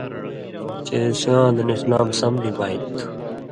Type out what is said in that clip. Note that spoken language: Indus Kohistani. چے سیواں دن اِسلام سم نی بانیۡ تھُو؛